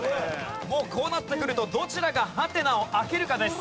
もうこうなってくるとどちらがハテナを開けるかです。